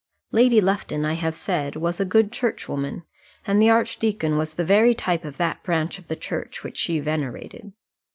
Lady Lufton, I have said, was a good churchwoman, and the archdeacon was the very type of that branch of the Church which she venerated.